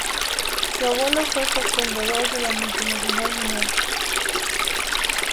Su abuelo fue cofundador de la multinacional Minolta.